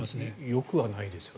よくはないですよね。